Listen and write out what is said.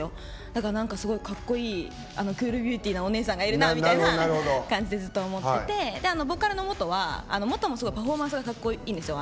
だから、クールビューティーなお姉さんがいるなみたいな感じでずっと思っててボーカルのＭｏｔｏはＭｏｔｏもすごいパフォーマンスがかっこいいんですよ。